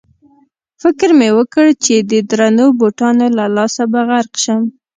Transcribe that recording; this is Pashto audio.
فکر مې وکړ چې د درنو بوټانو له لاسه به غرق شم.